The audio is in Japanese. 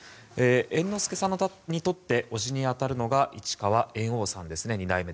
猿之助さんにとって伯父に当たるのが二代目市川猿翁さんですね。